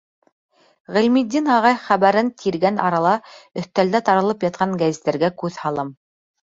Ғилметдин ағай хәбәрен тиргән арала өҫтәлдә таралып ятҡан гәзиттәргә күҙ һалам.